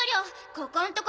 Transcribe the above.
ここんとこ